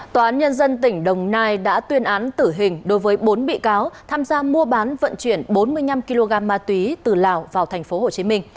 tòa án nhân dân tỉnh đồng nai đã tuyên án tử hình đối với bốn bị cáo tham gia mua bán vận chuyển bốn mươi năm kg ma túy từ lào vào tp hcm